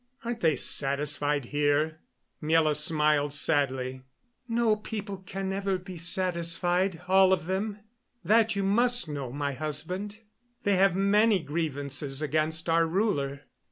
Aren't they satisfied here?" Miela smiled sadly. "No people can ever be satisfied all of them. That you must know, my husband. They have many grievances against our ruler.